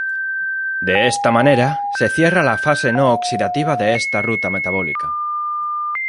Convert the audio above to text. De esta manera, se cierra la fase no oxidativa de esta ruta metabólica.